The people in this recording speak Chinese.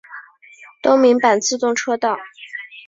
东名阪自动车道。